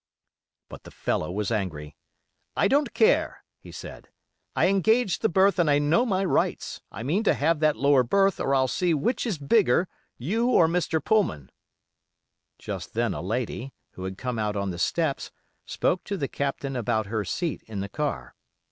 But the fellow was angry. 'I don't care,' he said, 'I engaged the berth and I know my rights; I mean to have that lower berth, or I'll see which is bigger, you or Mr. Pullman.' Just then a lady, who had come out on the steps, spoke to the Captain about her seat in the car.